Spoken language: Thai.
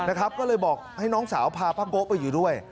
ก็เลยบอกให้น้องสาวพาป้าโกะไปอยู่ด้วย